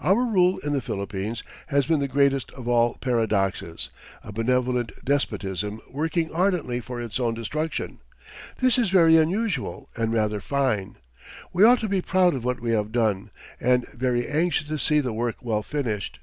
Our rule in the Philippines has been the greatest of all paradoxes, a benevolent despotism working ardently for its own destruction. This is very unusual, and rather fine. We ought to be proud of what we have done, and very anxious to see the work well finished.